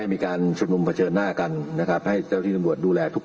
มีศาสตราจารย์พิเศษวิชามหาคุณเป็นประเทศด้านกรวมความวิทยาลัยธรม